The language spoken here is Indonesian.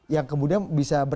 yang kemudian bisa dikabur